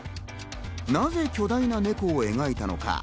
なぜ巨大なネコを描いたのか。